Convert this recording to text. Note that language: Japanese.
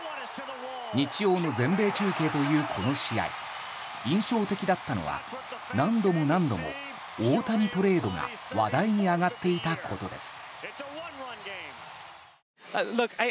日曜の全米中継というこの試合印象的だったのは何度も何度も大谷トレードが話題に上がっていたことです。